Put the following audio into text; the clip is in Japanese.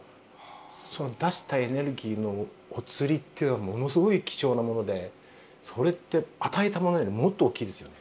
その出したエネルギーのおつりというのはものすごい貴重なものでそれって与えたものよりもっと大きいですよね。